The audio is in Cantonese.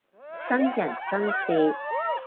真人真事